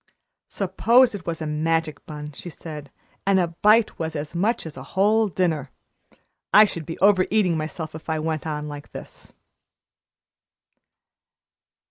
"Suppose it was a magic bun," she said, "and a bite was as much as a whole dinner. I should be over eating myself if I went on like this."